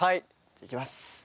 いきます